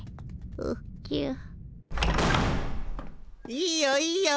いいよいいよ。